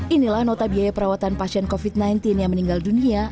inilah nota biaya perawatan pasien covid sembilan belas yang meninggal dunia